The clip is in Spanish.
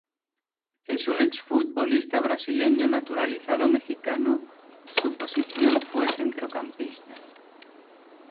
Es un exfutbolista brasileño naturalizado mexicano su posición fue centrocampista.